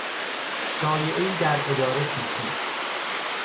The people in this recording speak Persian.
شایعهای در اداره پیچید.